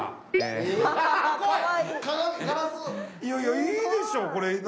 いやいやいいでしょこれ。